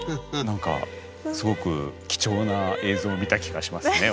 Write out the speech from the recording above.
何かすごく貴重な映像を見た気がしますね